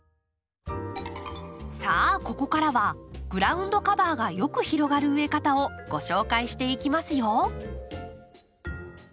さあここからはグラウンドカバーがよく広がる植え方をご紹介していきますよ！